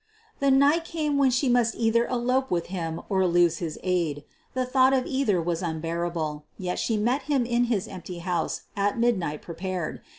The night came when she must either elope with him or lose his aid. The thought of either was unbearable, yet she met him in his empty house at midnight prepared.